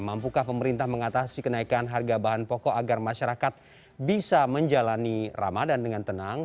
mampukah pemerintah mengatasi kenaikan harga bahan pokok agar masyarakat bisa menjalani ramadan dengan tenang